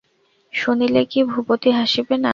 শুনিলে কী ভূপতি হাসিবে না?